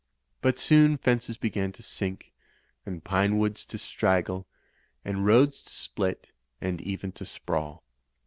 But soon fences began to sink, and pinewoods to straggle, and roads to split and even to sprawl.